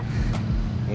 aku mau pergi